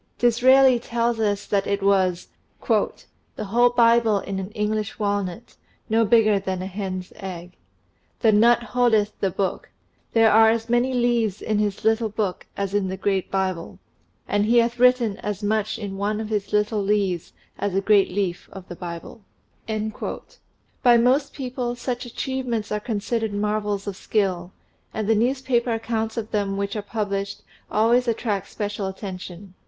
Disraeli tells us that it was " The whole Bible in an English walnut, no bigger than a hen's egg. The nut holdeth the book : there are as many leaves in his little book as in the great Bible, 136 MICROGRAPHY AND MICROPHOTOGRAPHY 137 and he hath written as much in one of his little leaves as a great leaf of the Bible." By most people, such achievements are considered mar vels of skill, and the newspaper accounts of them which are published always attract special attention.